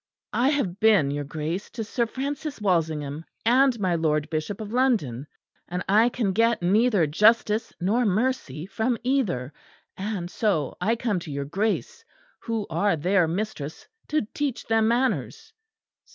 "I have been, your Grace, to Sir Francis Walsingham, and my lord Bishop of London, and I can get neither justice nor mercy from either; and so I come to your Grace, who are their mistress, to teach them manners."